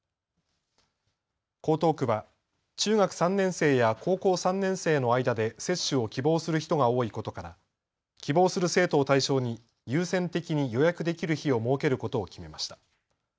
江東区は、中学３年生や高校３年生の間で接種を希望する人が多いことから、希望する生徒を対象に、優先的に予約できる日を設けることを決めました。